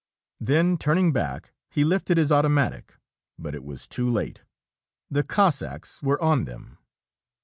Then, turning back, he lifted his automatic; but it was too late. The Cossacks were on them.